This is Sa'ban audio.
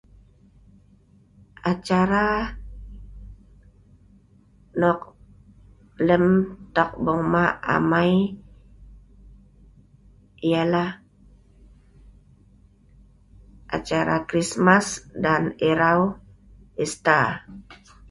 Acara nok lem ta'bong ma amai ialah acara Krismas dan Erau Ister